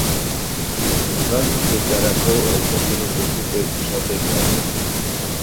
Ugalketarako gaitasunik ez dute izaten larbek.